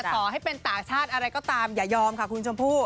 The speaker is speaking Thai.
ต่อให้เป็นต่างชาติอะไรก็ตามอย่ายอมค่ะคุณชมพู่